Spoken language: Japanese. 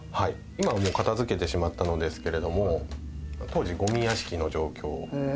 今はもう片づけてしまったのですけれども当時ゴミ屋敷の状況。